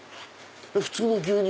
普通の牛乳？